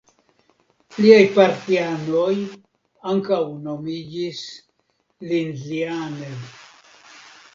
Liaj partianoj ankaŭ nomiĝis "Lindlianer".